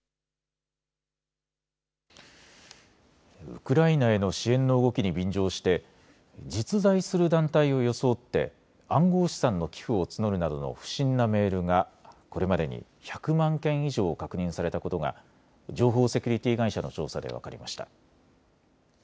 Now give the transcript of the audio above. ウクライナへの支援の動きに便乗して実在する団体を装って暗号資産の寄付を募るなどの不審なメールがこれまでに１００万件以上確認されたことが情報セキュリティー会社の調査で分かりました。